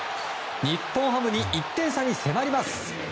日本ハムに１点差に迫ります。